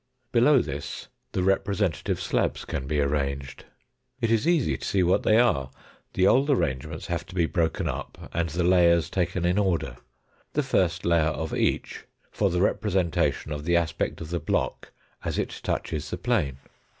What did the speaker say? Below this the representative slabs can be arranged. Jt is easy to see what they are. The old arrangements APPENDIX I 237 have to be broken up, and the layers taken in order, the fir^t layer of each for the representation of the aspect ol the block as it touches the plane.